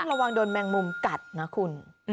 ระวังโดนแมงมุมกัดนะคุณ